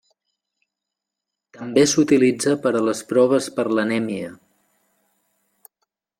També s'utilitza per a les proves per l'anèmia.